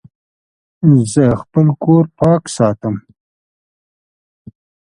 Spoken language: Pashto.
زه خپل کور پاک ساتم.